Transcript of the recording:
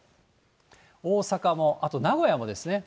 大阪も、あと名古屋もですね。